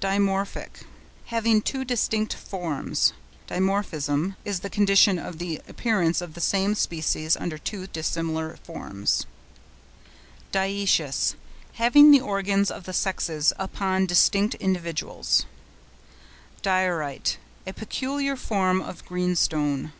DIMORPHIC.—Having two distinct forms.—DIMORPHISM is the condition of the appearance of the same species under two dissimilar forms. DIOECIOUS.—Having the organs of the sexes upon distinct individuals. DIORITE.—A peculiar form of Greenstone.